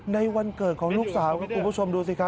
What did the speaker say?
วันเกิดของลูกสาวครับคุณผู้ชมดูสิครับ